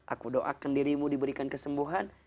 aku doakan dirimu diberikan kesembuhan